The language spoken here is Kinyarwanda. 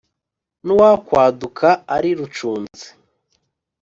n’uwakwaduka ari rucunzi